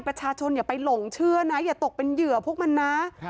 อย่าไปหลงเชื่อนะอย่าตกเป็นเหยื่อพวกมันนะ